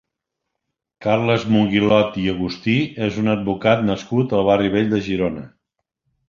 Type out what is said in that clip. Carles Monguilod i Agustí és un advocat nascut al Barri Vell de Girona.